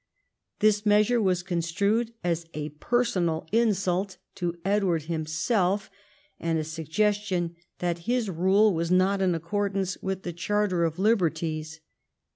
This measure was con strued as a personal insult to Edward himself, and a suggestion that his rule was not in accordance with the Charter of Liberties.